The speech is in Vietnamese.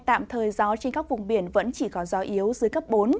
tạm thời gió trên các vùng biển vẫn chỉ có gió yếu dưới cấp bốn